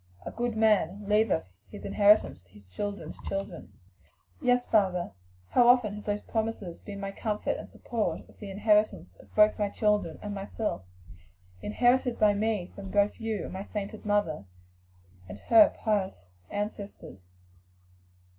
'A good man leaveth an inheritance to his children's children.'" "Yes, father, how often have those promises been my comfort and support as the inheritance of both my children and myself; inherited by me from both you and my sainted mother and her pious ancestors."